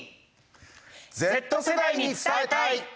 Ｚ世代に伝えたい！